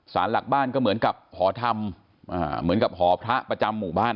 สารหลักบ้านก็เหมือนกับหอธรรมเหมือนกับหอพระประจำหมู่บ้าน